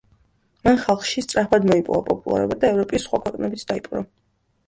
მან ხალხში სწრაფად მოიპოვა პოპულარობა და ევროპის სხვა ქვეყნებიც დაიპყრო.